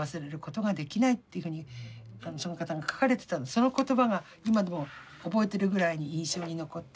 その言葉が今でも覚えてるぐらいに印象に残っていて。